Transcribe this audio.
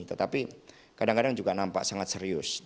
tetapi kadang kadang juga nampak sangat serius